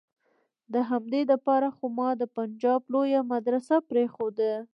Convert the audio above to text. د همدې د پاره خو ما د پنجاب لويه مدرسه پرېخوده.